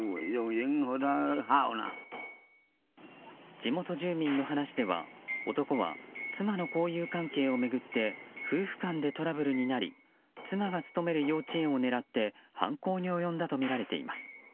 地元住民の話では男は妻の交友関係を巡って夫婦間でトラブルになり妻が勤める幼稚園を狙って犯行に及んだとみられています。